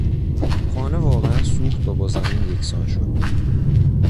خانه واقعا سوخت و با زمین یکسان شد.